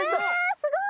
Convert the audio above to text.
すごい！